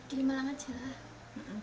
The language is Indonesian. kiri malang aja lah